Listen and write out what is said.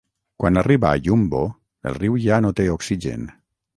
Quan arriba a Yumbo, el riu ja no té oxigen.